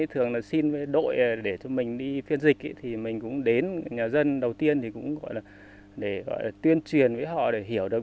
thường là xin với đội để cho mình đi phiên dịch thì mình cũng đến nhà dân đầu tiên thì cũng gọi là để gọi là tuyên truyền với họ để hiểu được